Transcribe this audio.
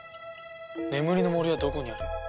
眠りの森はどこにある？